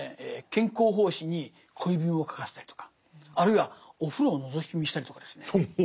兼好法師に恋文を書かせたりとかあるいはお風呂をのぞき見したりとかですね